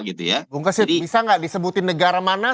bung kesit bisa nggak disebutin negara mana